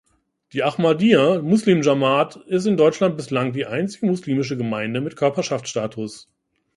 Die Ahmadiyya Muslim Jamaat ist in Deutschland bislang die einzige muslimische Gemeinde mit Körperschaftsstatus.